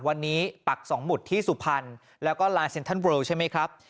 วันนี้ปัก๒หมุดที่สุพรรณแล้วก็ลานเซ็นทรัลเลิลใช่ไหมครับ